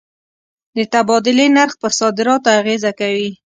د تبادلې نرخ پر صادراتو اغېزه کوي.